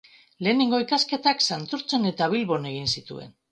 Lehenengo ikasketak Santurtzin eta Bilbon egin zituen.